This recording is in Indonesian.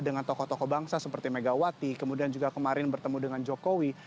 dengan tokoh tokoh bangsa seperti megawati kemudian juga kemarin bertemu dengan jokowi